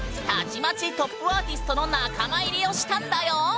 たちまちトップアーティストの仲間入りをしたんだよ！